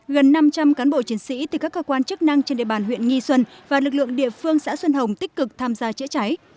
gần năm trăm linh cán bộ chiến sĩ từ các cơ quan chức năng trên địa bàn huyện nghi xuân và lực lượng địa phương xã xuân hồng tích cực tham gia chữa cháy